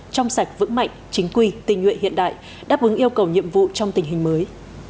trong sạch vững mạnh chính quy tình nguyện hiện đại đáp ứng yêu cầu nhiệm vụ trong tình hình mới